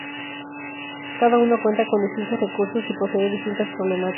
Cada uno cuenta con distintos recursos y posee distintas problemáticas.